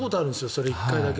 それ１回だけ。